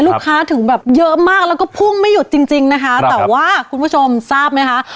ถึงแบบเยอะมากแล้วก็พุ่งไม่หยุดจริงจริงนะคะแต่ว่าคุณผู้ชมทราบไหมคะ